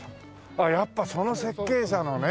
あっやっぱその設計者のね。